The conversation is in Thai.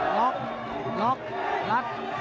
ล็อกล็อกรัด